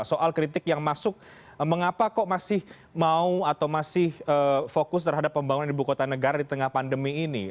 soal kritik yang masuk mengapa kok masih mau atau masih fokus terhadap pembangunan ibu kota negara di tengah pandemi ini